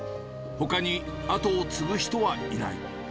ほかに後を継ぐ人はいない。